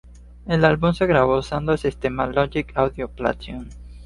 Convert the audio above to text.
El álbum se grabó usando el sistema logic audio platinum.